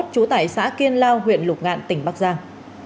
trú tại xã kiên lao huyện lục ngạn tỉnh bắc giang